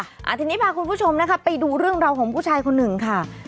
อ่าทีนี้พาคุณผู้ชมนะคะไปดูเรื่องราวของผู้ชายคนหนึ่งค่ะ